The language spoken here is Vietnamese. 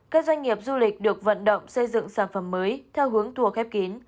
các doanh nghiệp du lịch được vận động xây dựng sản phẩm mới theo hướng thua khép kín